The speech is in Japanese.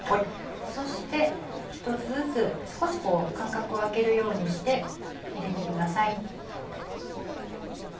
そして１つずつ少し間隔を空けるようにして入れてください。